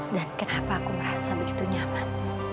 dan kenapa aku merasa begitu nyaman